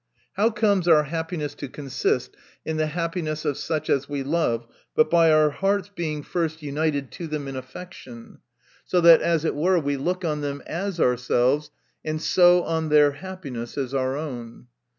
How comes our happiness to consist in the happiness of such as we love, but by our hearts being first united to them in affection, so that we, as it were, look on them as ourselves, a. hi so on their happiness as our own